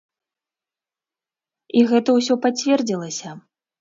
І гэта ўсё пацвердзілася.